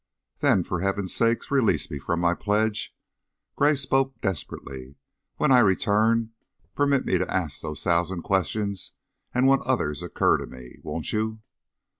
"Then, for Heaven's sake, release me from my pledge!" Gray spoke desperately. "When I return, permit me to ask those thousand questions, and what others occur to me. Won't you?"